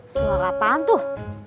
suara apaan tuh